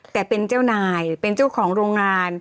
แต่เป็นเจ้านายเป็นเจ้าของโรงงาน